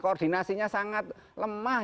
koordinasinya sangat lemah